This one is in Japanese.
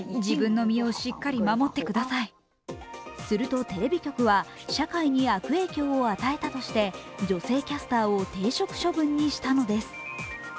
すると、テレビ局は社会に悪影響を与えたとして女性キャスターを停職処分にしたのです。